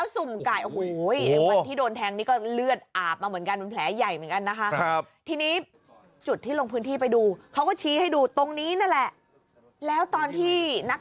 ซุมไกลมันไปบั้งตรงไหนเนี่ย